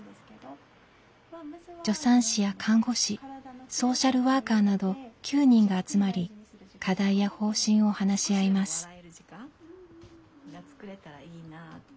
助産師や看護師ソーシャルワーカーなど９人が集まり課題や方針を話し合います。